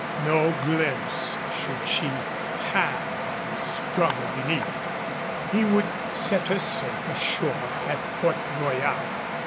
No glimpse should she have of the struggle beneath. He would set her safe ashore at Port Royal.